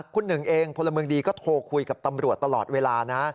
คุณหนึ่งเองพลเมืองดีก็โทรคุยกับตำรวจตลอดเวลานะ